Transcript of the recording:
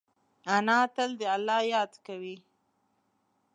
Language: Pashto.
انا تل د الله یاد کوي